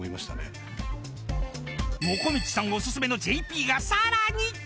［もこみちさんおすすめのＪＰが］